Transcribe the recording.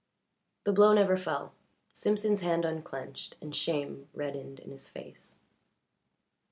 The blow never fell. Simpson's hand unclinched and shame reddened in his face.